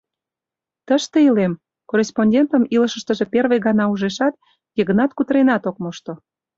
— Тыште илем... — корреспондентым илышыштыже первый гана ужешат, Йыгнат кутыренат ок мошто.